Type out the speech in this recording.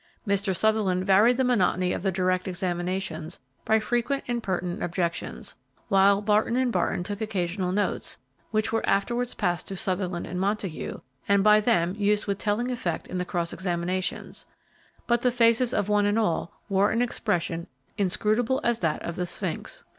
Mr. Sutherland varied the monotony of the direct examinations by frequent and pertinent objections, while Barton & Barton took occasional notes, which were afterwards passed to Sutherland and Montague, and by them used with telling effect in the cross examinations, but the faces of one and all wore an expression inscrutable as that of the sphinx.